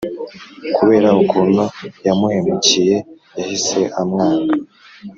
kubera ukuntu yamuhemukiye yahise amwanga